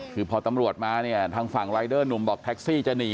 คือพอตำรวจมาเนี่ยทางฝั่งรายเดอร์หนุ่มบอกแท็กซี่จะหนี